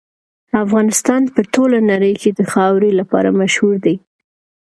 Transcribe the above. افغانستان په ټوله نړۍ کې د خاورې لپاره مشهور دی.